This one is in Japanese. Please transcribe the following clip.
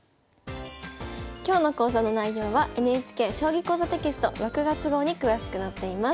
今日の講座の内容はＮＨＫ「将棋講座」テキスト６月号に詳しく載っています。